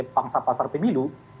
bangsa pasar pemilu